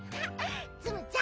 ツムちゃん